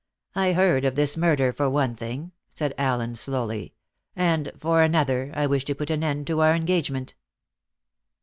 "I heard of this murder, for one thing," said Allen slowly; "and for another, I wish to put an end to our engagement."